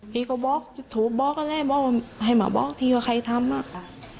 ผีก็บอกจุดถูกบอกแหละบอกว่าให้มาบอกทีว่าใครทำอะ